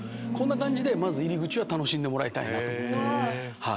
こんな感じでまず入り口は楽しんでもらいたいなと。